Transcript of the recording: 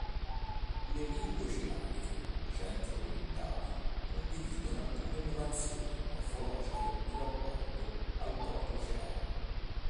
Le lingue oceaniche centro-orientali condividono alcune innovazioni morfologiche in rapporto al proto-oceanico.